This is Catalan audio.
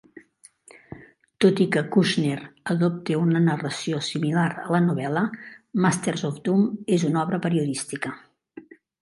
Tot i que Kushner adopta una narració similar a la novel·la, Masters of Doom és una obra periodística.